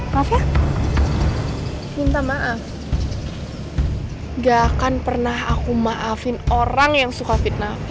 maaf ya minta maaf gak akan pernah aku maafin orang yang suka fitnah